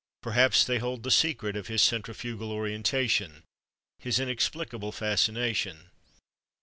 Perhaps they hold the secret of his centrifugal orientation, his inexplicable fascination.